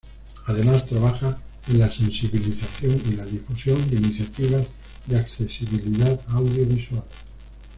Además trabaja en la sensibilización y la difusión de iniciativas de accesibilidad audiovisual.